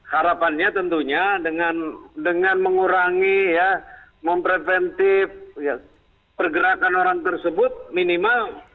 harapannya tentunya dengan mengurangi ya mempreventif pergerakan orang tersebut minimal